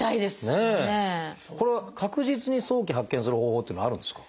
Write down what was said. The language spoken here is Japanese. これは確実に早期発見する方法っていうのはあるんですか？